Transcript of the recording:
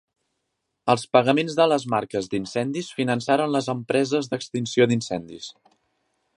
Els pagaments de les marques d'incendis finançaren les empreses d'extinció d'incendis.